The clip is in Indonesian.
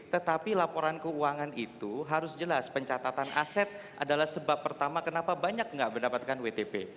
tetapi laporan keuangan itu harus jelas pencatatan aset adalah sebab pertama kenapa banyak tidak mendapatkan wtp